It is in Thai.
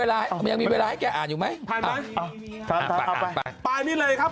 แล้วหลังจากผ่านข่าวคุณดังไปค่ะมาต่อ